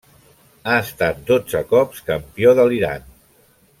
Ha estat dotze cops Campió de l'Iran.